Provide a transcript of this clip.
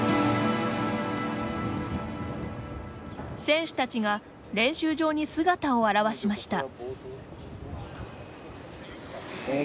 選手たちが練習場に姿を現しました。